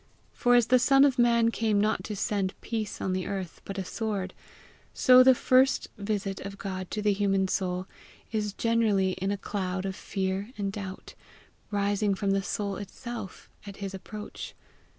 For, as the Son of Man came not to send peace on the earth but a sword, so the first visit of God to the human soul is generally in a cloud of fear and doubt, rising from the soul itself at his approach.